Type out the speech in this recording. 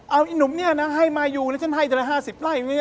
เอานุ่มเนี่ยนะให้มายูเนี่ยฉันให้จนละ๕๐ไล่เนี่ย